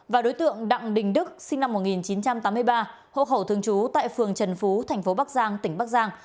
và đối tượng đặng đình đức sinh năm một nghìn chín trăm tám mươi ba hộ khẩu thường trú tại phường trần phú thành phố bắc giang tỉnh bắc giang